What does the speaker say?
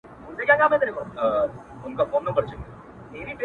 گواکي موږ به تل له غم سره اوسېږو؛